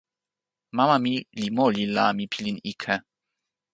mama mi li moli la mi pilin ike.